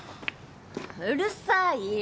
うるさい！